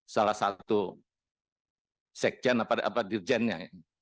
salah satu section atau dirjennya